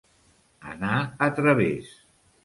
Anar a través.